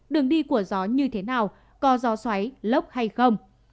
đường đi của gió như thế nào có gió xoáy lốc hay không